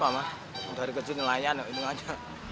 dari kerja nelayan ini aja